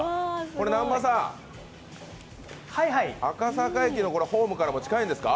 南波さん、赤坂駅のホームからも近いんですか？